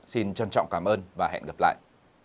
xin trân trọng cảm ơn và hẹn gặp lại